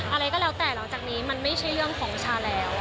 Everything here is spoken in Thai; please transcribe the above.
อะไรก็แล้วแต่หลังจากนี้มันไม่ใช่เรื่องของชาแล้ว